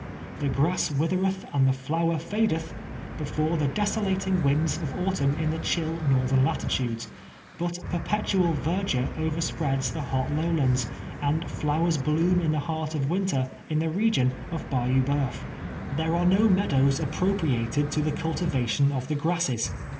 " The grass withereth and the flower fadeth*' before the desolating winds of au tumn in the chill northern latitudes, but perpetual verdure overspreads the hot lowlands, and flowers bloom in the heart of winter, in the region of Bayou Ba3uf. There are no meadows appropriated to the cultiva tion of the grasses.